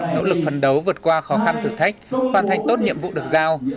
nỗ lực phấn đấu vượt qua khó khăn thử thách hoàn thành tốt nhiệm vụ được giao